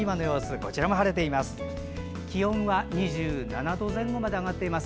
こちらも晴れています。